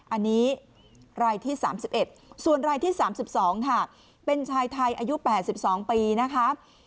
อันนี้รายที่๓๑ส่วนรายที่๓๒ค่ะเป็นชายไทยอายุ๘๒ปีนะคะ